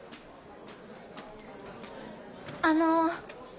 あの。